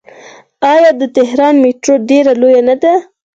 آیا د تهران میټرو ډیره لویه نه ده؟